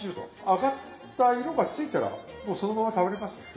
揚がった色がついたらもうそのまま食べれますんで。